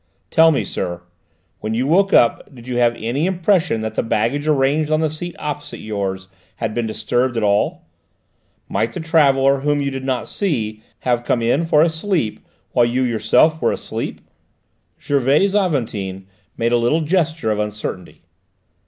"Tell me, sir, when you woke up did you have any impression that the baggage arranged on the seat opposite yours had been disturbed at all? Might the traveller, whom you did not see, have come in for a sleep while you yourself were asleep?" Gervais Aventin made a little gesture of uncertainty.